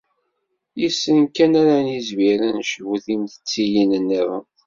Yis-sen kan ara nizmir ad necbu timettiyin-nniḍen.